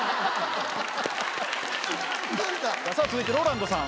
さぁ続いてＲＯＬＡＮＤさん。